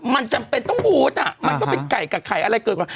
มันจำเป็นต้องบูธอ่ะมันก็เป็นไก่กับไข่อะไรเกิดกว่า